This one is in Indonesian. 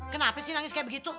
kenapa sih nangis kayak begitu